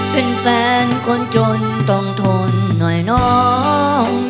เป็นแฟนคนจนต้องทนหน่อยน้อง